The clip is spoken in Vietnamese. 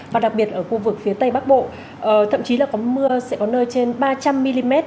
và đặc biệt ở khu vực phía tây bắc bộ thậm chí là có mưa sẽ có nơi trên ba trăm linh mm